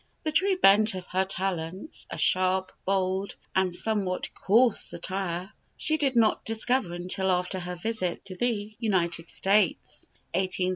The true bent of her talents a sharp, bold, and somewhat coarse satire she did not discover until after her visit to the United States (1829 1831).